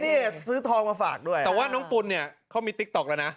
นี่ซื้อทองมาฝากด้วยแต่ว่าน้องปุ่นเนี่ยเขามีติ๊กต๊อกแล้วนะ